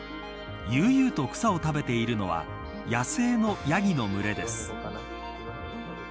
悠々と草を食べているのは野生のヤギの群れです。